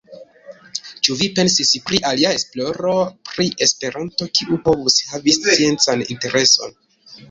Ĉu vi pensis pri alia esploro pri Esperanto, kiu povus havi sciencan intereson?